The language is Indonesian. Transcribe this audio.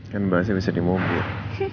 kan bahasa bisa di mobil